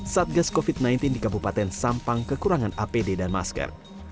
satgas covid sembilan belas di kabupaten sampang kekurangan apd dan masker